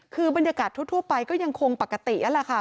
คือบรรยากาศทั่วไปก็ยังคงปกตินั่นแหละค่ะ